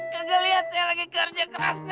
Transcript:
gak liat ya lagi kerja keras nih